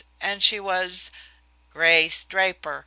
And she was ?" "Grace Draper.